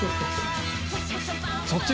そっち！？